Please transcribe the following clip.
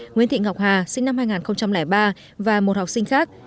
nguyễn thị ngọc hà sinh năm hai nghìn ba và một học sinh khác